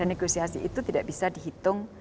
negosiasi itu tidak bisa dihitung